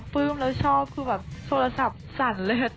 พึ่มแล้วชอบคือสวนศัพท์สั่นเลย